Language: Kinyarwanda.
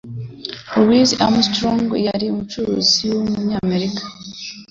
Louis Armstrong yari umucuranzi w umunyamerika.